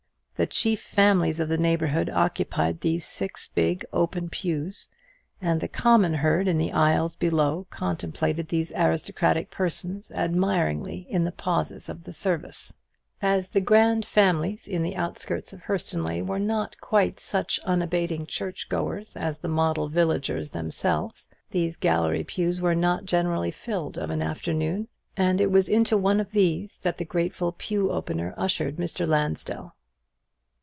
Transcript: The chief families of the neighbourhood occupied these six big open pews; and the common herd in the aisles below contemplated these aristocratic persons admiringly in the pauses of the service. As the grand families in the outskirts of Hurstonleigh were not quite such unbating church goers as the model villagers themselves, these gallery pews were not generally filled of an afternoon; and it was into one of these that the grateful pew opener ushered Mr. Lansdell.